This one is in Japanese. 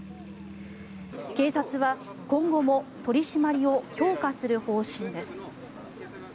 警察は今後も取り締まりを強化する方針です。